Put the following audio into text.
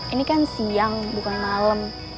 ini kan siang bukan malam